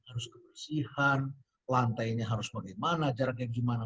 harus kebersihan lantainya harus bagaimana jaraknya gimana